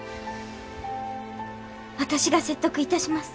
私が説得致します。